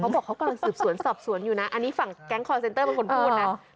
บอกเขากำลังสืบสวนสอบสวนอยู่นะอันนี้ฝั่งแก๊งคอร์เซ็นเตอร์เป็นคนพูดนะ